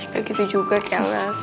kayak gitu juga kelas